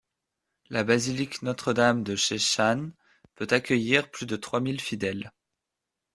La basilique Notre-Dame de She Shan peut accueillir plus de trois mille fidèles.